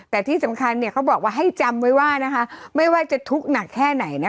แต่ที่สำคัญเขาบอกให้จำไว้ว่าไม่ว่าจะทุกข์หนักแค่ไหน